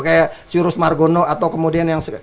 kayak sirus margono atau kemudian yang